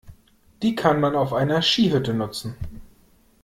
Die kann man auf einer Skihütte nutzen.